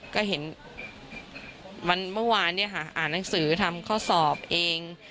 ก็เห็นเมื่อวานเนี่ยค่ะอ่านหนังสือทำข้อสอบเอง